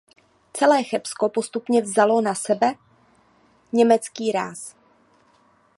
Celé Chebsko postupně vzalo na sebe německý ráz.